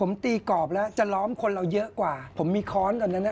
ผมตีกรอบแล้วจะล้อมคนเราเยอะกว่าผมมีค้อนตอนนั้นอ่ะ